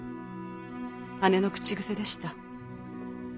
姉の口癖でした。